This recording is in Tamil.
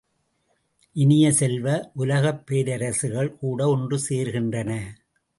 இனிய செல்வ, உலகப் பேரரசுகள் கூட ஒன்று சேர்கின்றன!